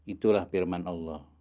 itulah firman allah